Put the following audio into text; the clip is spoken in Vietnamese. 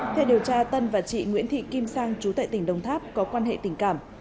theo điều tra tân và chị nguyễn thị kim sang trú tại tỉnh đồng tháp có quan hệ tình cảm